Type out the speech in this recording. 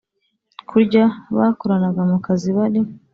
kurya bakoranaga mukazi bari